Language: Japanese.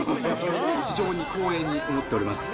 非常に光栄に思っております。